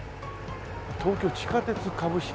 「東京地下鉄株式」。